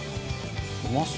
「うまそう！」